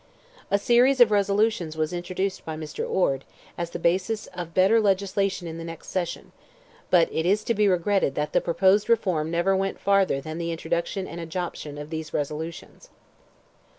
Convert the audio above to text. A series of resolutions was introduced by Mr. Orde, as the basis of better legislation in the next session; but it is to be regretted that the proposed reform never went farther than the introduction and adoption of these resolutions.